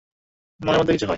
মনের মধ্যে কিছু হয়।